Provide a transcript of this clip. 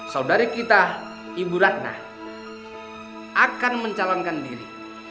saudari kita ibu ratna akan mencalonkan diri